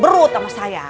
berut sama saya